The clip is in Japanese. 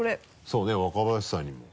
そうね若林さんにも。